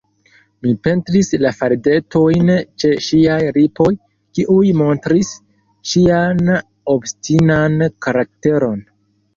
Mi pentris la faldetojn ĉe ŝiaj lipoj, kiuj montris ŝian obstinan karakteron.